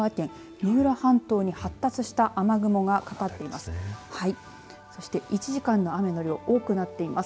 三浦半島に発達した雨雲がかかっています。